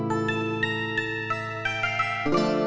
gak ada yang peduli